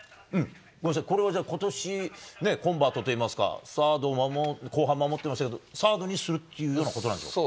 これはことしコンバートといいますか、サードを、後半守ってましたけれども、サードにするっていうようなことなんでしょうか？